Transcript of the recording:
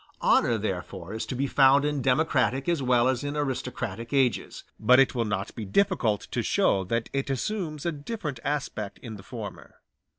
Honor therefore is to be found in democratic as well as in aristocratic ages, but it will not be difficult to show that it assumes a different aspect in the former.